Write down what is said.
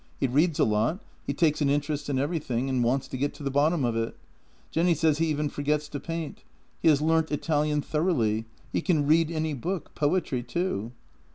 He reads a lot; he takes an interest in everything, and wants to get to the bottom of it. Jenny says he even forgets to paint. He has learnt Italian thoroughly; he can read any book — poetry, too.